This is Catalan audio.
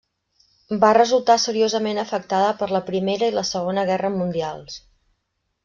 Va resultar seriosament afectada per la Primera i la Segona Guerra Mundials.